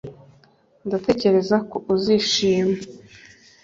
Ndatekereza ko uzishima